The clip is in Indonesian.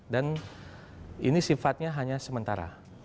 dan ini sifatnya hanya sementara